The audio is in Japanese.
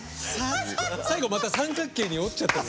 最後また三角形に折っちゃったり。